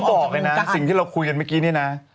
บอกเลยนะสิ่งที่เราคุยกันเมื่อกี้นี่นะ